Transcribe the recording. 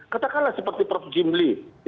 katakanlah seperti prof jim lee